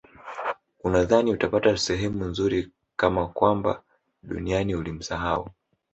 unadhani utapata sehemu nzuri kama kwamba duniani ulimsahau